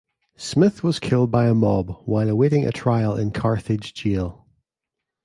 Smith was killed by a mob while awaiting a trial in Carthage Jail.